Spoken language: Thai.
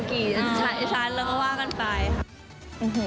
กี่ชั้นเราก็ว่ากันไป